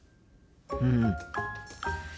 うん。